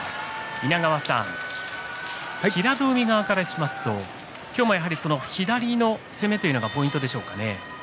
稲川さん、平戸海側からしますと今日もやはり左の攻めというのがポイントでしょうか。